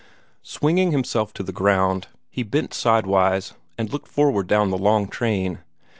Swinging himself to the ground, he bent sidewise and looked forward down the long train.